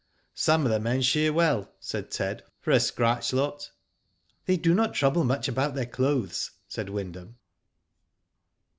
Some of the men^ shear well,'' said Ted, for a scratch lot." They do not trouble much about their clothes," said Wyndham.